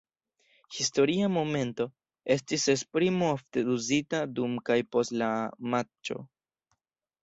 "Historia momento" estis esprimo ofte uzita dum kaj post la matĉo.